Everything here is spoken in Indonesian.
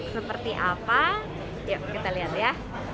seperti apa yuk kita lihat ya